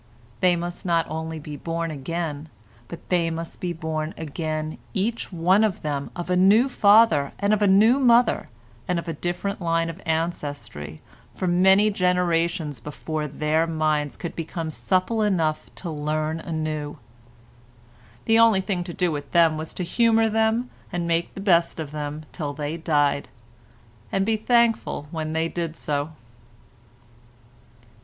They must not only be born again but they must be born again each one of them of a new father and of a new mother and of a different line of ancestry for many generations before their minds could become supple enough to learn anew. The only thing to do with them was to humour them and make the best of them till they died—and be thankful when they did so.